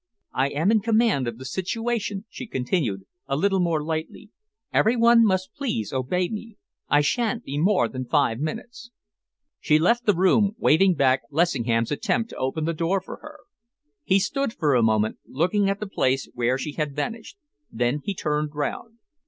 "I am in command of the situation," she continued, a little more lightly. "Every one must please obey me. I shan't be more than five minutes." She left the room, waving back Lessingham's attempt to open the door for her. He stood for a moment looking at the place where she had vanished. Then he turned round.